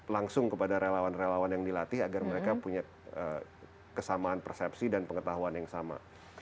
langsung kepada relawan relawan yang dilatih agar mereka punya kesamaan persepsi dan pengetahuan yang sama